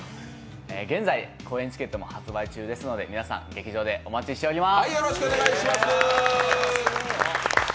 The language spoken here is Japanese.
現在、公演チケット発売中ですので皆さん、お待ちしております。